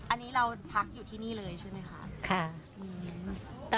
อันนี้เราพักอยู่ที่นี่เลยใช่ไหมคะ